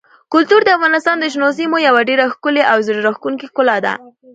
کلتور د افغانستان د شنو سیمو یوه ډېره ښکلې او زړه راښکونکې ښکلا ده.